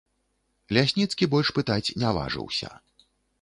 Лясніцкі больш пытаць не важыўся.